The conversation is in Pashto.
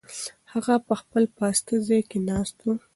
هغه په خپل پاسته ځای کې ناست و.